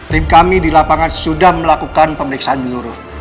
tim kami di lapangan sudah melakukan pemeriksaan menyeluruh